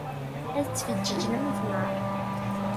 Ad d-ttfeǧǧiǧen am lefnaṛ.